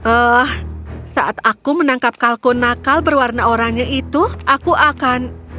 eh saat aku menangkap kalkun nakal berwarna oranye itu aku akan